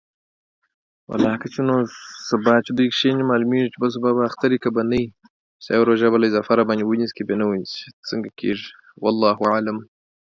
It has since become a standard, with many artists recording the song.